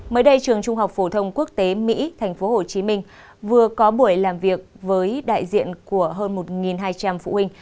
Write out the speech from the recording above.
mới đây trường trung học phổ thông quốc tế mỹ tp hcm vừa có buổi làm việc với đại diện của hơn một hai trăm linh phụ huynh